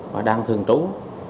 và đang thường trốn